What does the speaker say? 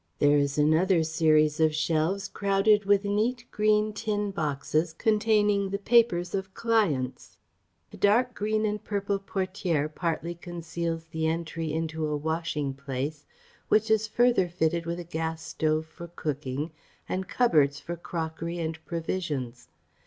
There is another series of shelves crowded with neat, green, tin boxes containing the papers of clients. A dark green and purple portière partly conceals the entry into a washing place which is further fitted with a gas stove for cooking and cupboards for crockery and provisions.